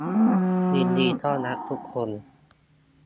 ยินดีต้อนรับทุกคน